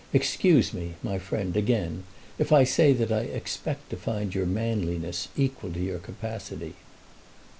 Excuse me, my friend, again, if I say that I expect to find your manliness equal to your capacity."